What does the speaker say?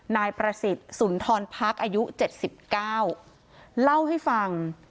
นายประสิทธิ์ศุลธรพักษ์อายุเจ็ดสิบเก้าเล่าให้ฟัง